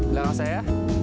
gak rasa ya